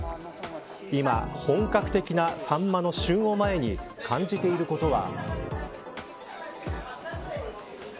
今、本格的なサンマの旬を前に感じていることは。